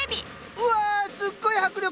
うわすっごい迫力！